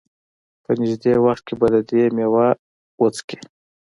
په نېږدې وخت کې به د دې مېوه وڅکي.